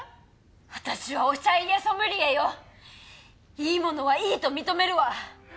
私はおしゃ家ソムリエよ！いいものはいいと認めるわ！